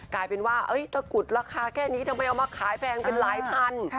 กลายเป็นว่าตะกุดราคาแค่นี้ทำไมเอามาขายแพงเป็นหลายพัน